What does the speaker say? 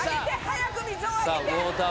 早く水をあげて！